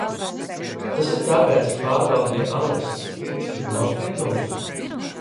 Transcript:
Tas ir tāpēc, ka pārbaudīju Aleksas pirkstu nospiedumus?